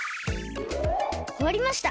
おわりました。